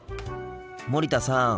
森田さん。